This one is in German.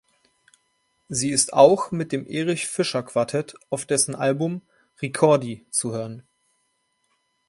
Sie ist auch mit dem Erich Fischer Quartett auf dessen Album "Ricordi" zu hören.